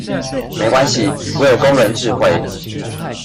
沒關係我有工人智慧